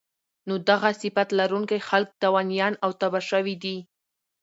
نو دغه صفت لرونکی خلک تاوانيان او تباه شوي دي